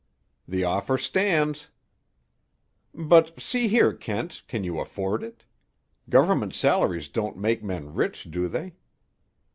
"The offer stands." "But, see here, Kent, can you afford it? Government salaries don't make men rich, do they?"